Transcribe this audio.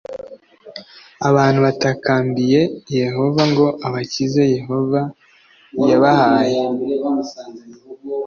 abantu batakambiye yehova ngo abakize yehova yabahaye